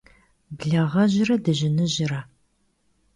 Blağejre dıjınıjre.